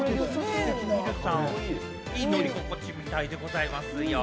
いい乗り心地みたいでございますよ。